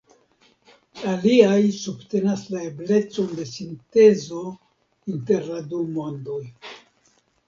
Aliaj subtenas la eblecon de sintezo inter la du mondoj.